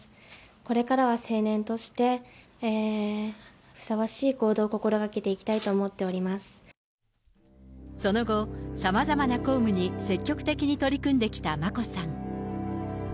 これからは成年としてふさわしい行動を心がけていきたいと思ってその後、さまざまな公務に積極的に取り組んできた眞子さん。